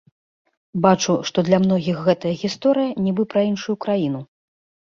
Бачу, што для многіх гэтая гісторыя нібы пра іншую краіну.